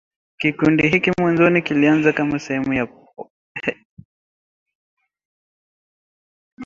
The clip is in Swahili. Kikundi hiki mwanzoni kilianza kama sehemu ya wapiganaji